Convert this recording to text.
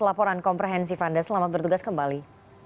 laporan komprehensif anda selamat bertugas kembali